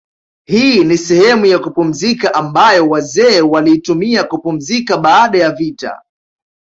Hii ni sehemu ya kupumzika ambayo wazee waliitumia kupumzika baada ya vita